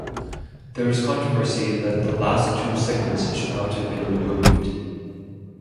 There is controversy that the last two segments should not have been removed.